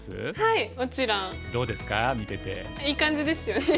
いい感じですよね。